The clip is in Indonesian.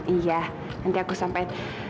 iya nanti aku sampai